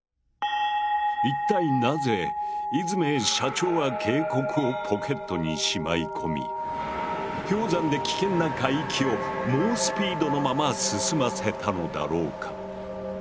一体なぜイズメイ社長は警告をポケットにしまい込み氷山で危険な海域を猛スピードのまま進ませたのだろうか？